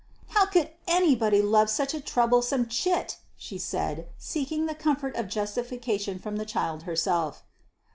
"How could anybody love such a troublesome chit?" she said, seeking the comfort of justification from the child herself.